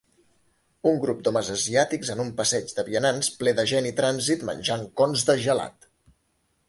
Un grup d'homes asiàtics en un passeig de vianants ple de gent i trànsit menjant cons de gelat